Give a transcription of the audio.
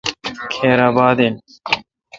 کھیر اباد این۔